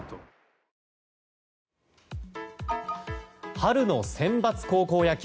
春のセンバツ高校野球。